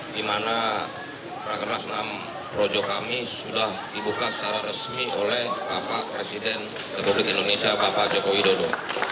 di mana rakernas enam projo kami sudah dibuka secara resmi oleh bapak presiden republik indonesia bapak joko widodo